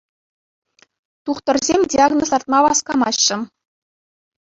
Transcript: Тухтӑрсем диагноз лартма васкамаҫҫӗ.